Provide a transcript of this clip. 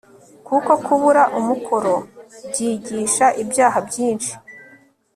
kuko kubura umukoro byigisha ibyaha byinshi